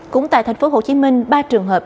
cũng tại tp hcm ba trường hợp